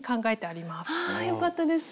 あよかったです。